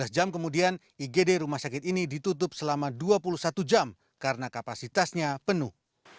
dua belas jam kemudian igd rumah sakit ini ditutup selama dua puluh satu jam karena kapasitasnya penuh